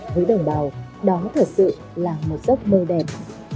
với đồng bào đó thật sự là một giấc mơ đẹp